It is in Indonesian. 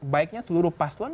baiknya seluruh paslon